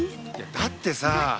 だってさぁ。